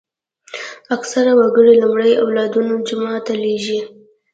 اکثره وګړي لومړی اولادونه جومات ته لېږي.